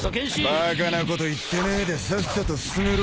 ［バカなこと言ってねえでさっさと進めろ］